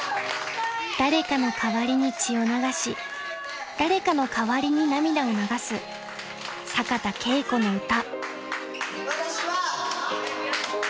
［誰かの代わりに血を流し誰かの代わりに涙を流す坂田佳子の歌］